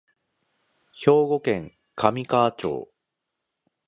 兵庫県神河町